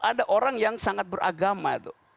ada orang yang sangat beragama